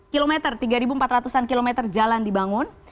kilometer tiga empat ratus an km jalan dibangun